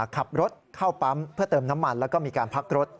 ขับรถเข้าปั๊มเพื่อเติมน้ำมันแล้วก็มีการพักรถ